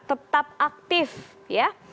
tetap aktif ya